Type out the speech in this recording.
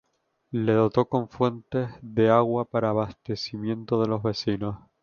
Le dotó con fuentes de agua para abastecimiento de los vecinos.